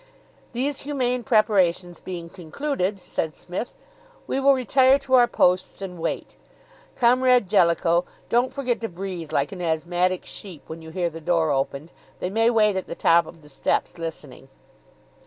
"These humane preparations being concluded," said Psmith, "we will retire to our posts and wait. Comrade Jellicoe, don't forget to breathe like an asthmatic sheep when you hear the door opened; they may wait at the top of the steps, listening."